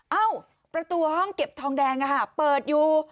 เอ้าประตูห้องเก็บทองแดงเปิดอยู่